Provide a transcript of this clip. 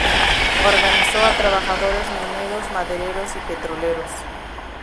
Organizó a trabajadores mineros, madereros y petroleros.